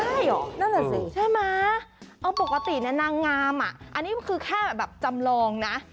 ใช่เหรอนั่นแหละสิใช่ไหมเอาปกตินะนางงามอ่ะอันนี้คือแค่แบบจำลองนะ